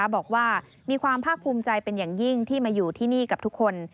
บอกว่ามีความภาคภูมิใจเป็นอย่างยิ่งที่มาอยู่ที่นี่กับทุกคน